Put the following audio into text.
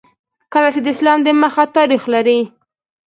کلا چې د اسلام د مخه تاریخ لري